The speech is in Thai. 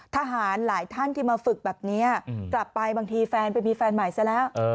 ทหารหลายท่านที่มาฝึกแบบนี้กลับไปบางทีแฟนไปมีแฟนใหม่ซะแล้ว